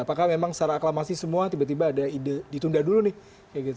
apakah memang secara aklamasi semua tiba tiba ada ide ditunda dulu nih